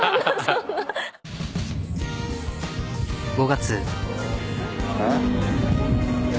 ５月。